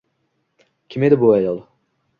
Kim edi bu ayol?